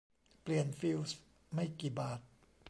เปลี่ยนฟิวส์ไม่กี่บาท